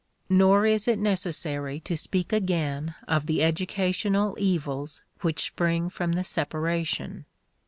Nor is it necessary to speak again of the educational evils which spring from the separation.